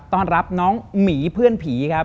ต้อนรับน้องหมีเพื่อนผีครับ